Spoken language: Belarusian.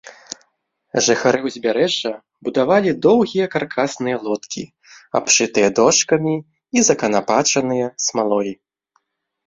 Жыхары ўзбярэжжа будавалі доўгія каркасныя лодкі, абшытыя дошкамі і заканапачаныя смалой.